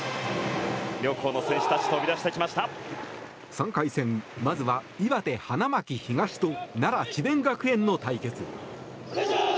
３回戦、まずは岩手・花巻東と奈良・智弁学園の対決。